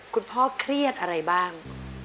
คุณพ่อเครียดอะไรบ้าง